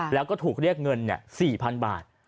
แล้วก็ถูกเรียกเงิน๔๐๐๐บาท